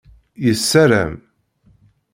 Yessaram.